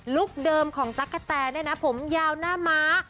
เดิมของจักรแตเนี่ยนะผมยาวหน้าม้า